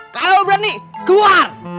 kalau lo berani keluar